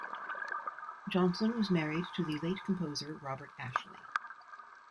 Johnson was married to the late composer Robert Ashley.